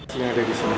di sini ada di sini